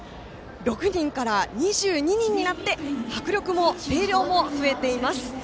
６人から２２人になって迫力も声量も増えています。